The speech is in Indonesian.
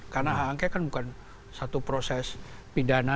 karena h angket kan bukan satu proses pidana